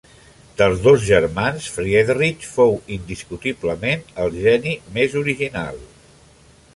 Dels dos germans, Friedrich fou indiscutiblement el geni més original.